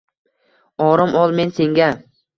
Orom ol, men senga